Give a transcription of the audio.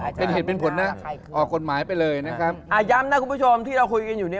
อยู่เนี่ยไม่ใช่เรื่องตลกอย่างเดียวนะ